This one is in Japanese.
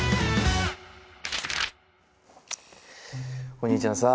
お兄ちゃんさ。